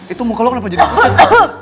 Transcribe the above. itu muka lo kenapa jadi hujan